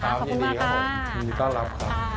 ครับยินดีครับยินดีต้อนรับค่ะขอบคุณมาก